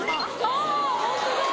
あぁホントだ。